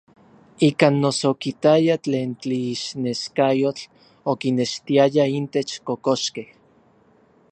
Ikan noso okitaya tlen tlixneskayotl okinextiaya intech kokoxkej.